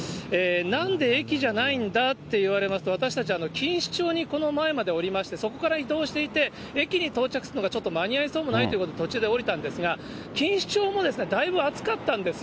なんで駅じゃないんだって言われますと、私たち、錦糸町にこの前までおりまして、そこから移動していて、駅に到着するのがちょっと間に合いそうもないということで、途中で降りたんですが、錦糸町もだいぶ暑かったんです。